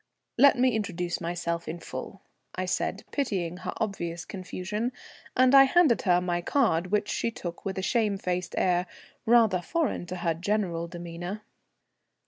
"Let me introduce myself in full," I said, pitying her obvious confusion; and I handed her my card, which she took with a shamefaced air, rather foreign to her general demeanour.